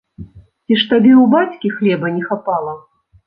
Ці ж табе ў бацькі хлеба не хапала!